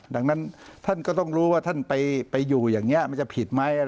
ดังนั้นท่านก็ต้องรู้ว่าท่านไปอยู่อย่างนี้มันจะผิดไหม